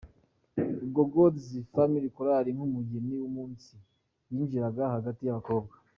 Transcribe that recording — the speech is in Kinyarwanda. ubwo Gods Family Choir nkumugeni wumunsi yinjiraga hagati yabakobwa.